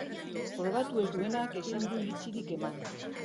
Probatu ez duenak ezin du iritzirik eman.